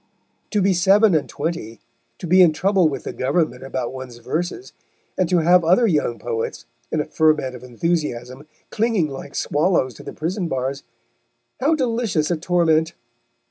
To be seven and twenty, to be in trouble with the Government about one's verses, and to have other young poets, in a ferment of enthusiasm, clinging like swallows to the prison bars how delicious a torment!